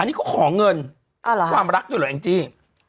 อันนี้ก็ขอเงินความรักด้วยเหรออังกฤษ